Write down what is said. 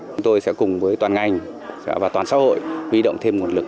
chúng tôi sẽ cùng với toàn ngành và toàn xã hội huy động thêm nguồn lực